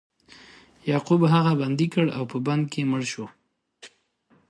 یعقوب هغه بندي کړ او په بند کې مړ شو.